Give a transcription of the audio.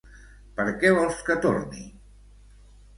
Per què vol que torni?